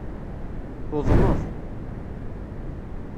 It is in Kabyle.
Tuḍneḍ.